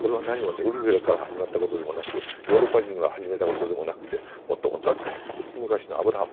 ウルフィラから始まったことでもなくヨーロッパ人が始めたことでもなくてもっともっとずっと昔のアブラハム。